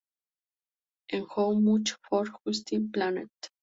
En "How Much for Just the Planet?